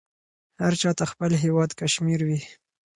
هر چاته خپل هیواد کشمیر وې.